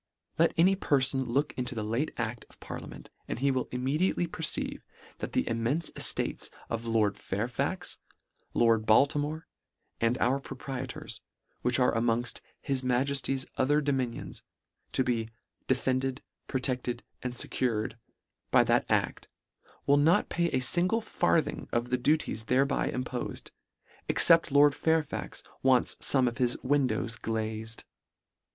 Let any perfon look into the late acT: of parliament, and he will immediately perceive, that the immenfe eftates of Lord Fairfax, Lord Baltimore, 11 and our proprietors, which are amongft: " his Majefty's other domini " ons " to be " defended, protected and fe " cured " by that acl: will not pay a (ingle farthing of the duties thereby impofed, ex cept Lord Fairfax wants fome of his win dows glazed.